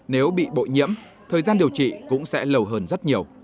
nếu bị bội nhiễm thời gian điều trị cũng sẽ lâu hơn rất nhiều